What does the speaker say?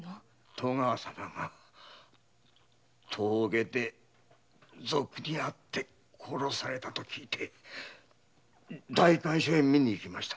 戸川様が峠で賊に遭って殺されたと聞いて代官所へ見に行きました。